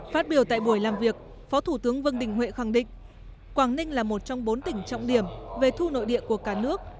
phát biểu tại buổi làm việc phó thủ tướng vương đình huệ khẳng định quảng ninh là một trong bốn tỉnh trọng điểm về thu nội địa của cả nước